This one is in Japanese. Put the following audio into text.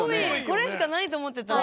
これしかないと思ってた。